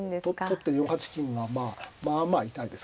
取って４八金がまあまあまあ痛いですかね。